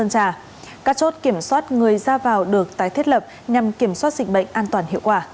các chốt kiểm soát người ra vào được tái thiết lập nhằm kiểm soát dịch bệnh an toàn hiệu quả